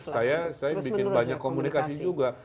saya bikin banyak komunikasi juga